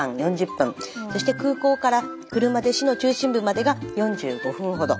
そして空港から車で市の中心部までが４５分ほど。